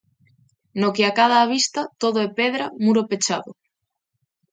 no que acada a vista, todo é pedra, muro pechado.